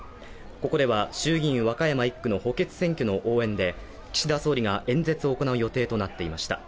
ここでは、衆議院和歌山１区の補欠選挙の応援で岸田総理が演説を行う予定となっていました。